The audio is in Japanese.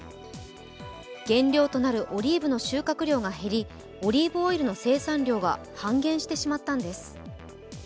原料となるオリーブの収穫量が減り、オリーブオイルの生産量が半減してしまったんです。